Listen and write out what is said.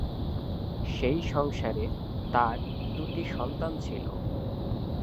সেই সংসারে তার দুটি সন্তান ছিল।